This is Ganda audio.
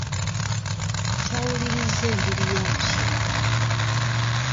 Twawulirizza enjiri y'omusumba.